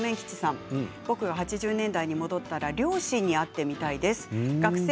愛知県２０代の方僕は８０年代に戻ったら両親に会ってみたいです。